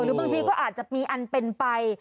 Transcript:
หรือบางทีก็อาจจะมีอันเป็นไป